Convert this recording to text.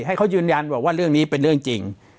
ให้เขายืนยันบอกว่าเรื่องนี้เป็นเรื่องจริง